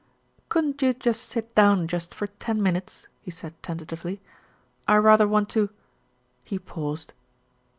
"Couldn't you sit down just for ten minutes?" he said tentatively. "I rather want to ' He paused.